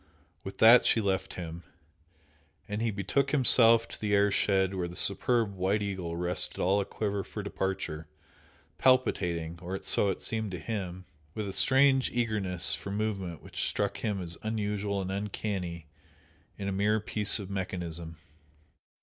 With that she left him. And he betook himself to the air shed where the superb "White Eagle" rested all a quiver for departure, palpitating, or so it seemed to him, with a strange eagerness for movement which struck him as unusual and "uncanny" in a mere piece of mechanism.